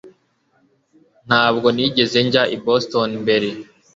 Ntabwo nigeze njya i Boston mbere